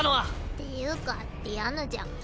っていうかディアンヌじゃん。